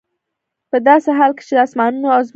په داسي حال كي چي د آسمانونو او زمكي